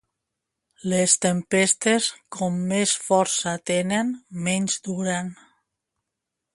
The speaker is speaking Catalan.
Les tempestes, com més força tenen, menys duren.